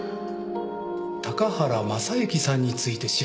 高原雅之さんについて調べてほしい。